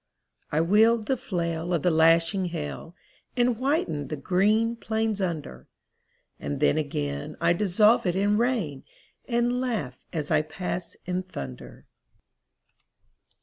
I wield the flail of the lashing hail. And whiten the green plains under; And then again I dissolve it in rain. And laugh as I pass in thunder.